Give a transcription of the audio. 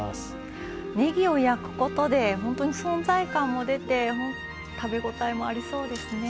ねぎを焼くことで本当に存在感も出て食べ応えもありそうですね。